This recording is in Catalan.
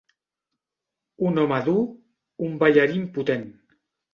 Un home dur, un ballarí impotent.